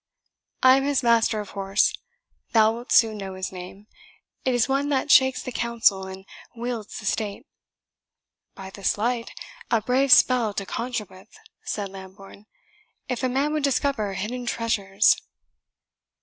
I am his master of horse. Thou wilt soon know his name it is one that shakes the council and wields the state." "By this light, a brave spell to conjure with," said Lambourne, "if a man would discover hidden treasures!"